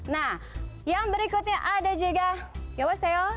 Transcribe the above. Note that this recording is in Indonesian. nah yang berikutnya ada juga yoseo